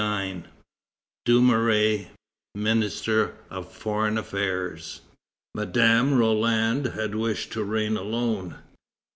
IX. DUMOURIEZ, MINISTER OF FOREIGN AFFAIRS. Madam Roland had wished to reign alone.